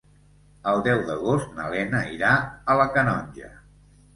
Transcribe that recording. El deu d'agost na Lena irà a la Canonja.